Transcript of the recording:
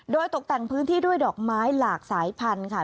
โดยตกแต่งพื้นที่ด้วยดอกไม้หลากสายพันธุ์ค่ะ